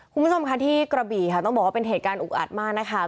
คุณผู้ชมค่ะที่กระบี่ค่ะต้องบอกว่าเป็นเหตุการณ์อุกอัดมากนะคะ